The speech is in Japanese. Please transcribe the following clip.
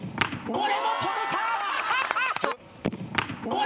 これも止めた！